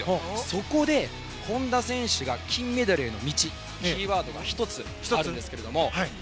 そこで本多選手の金メダルへの道キーワードが１つあります。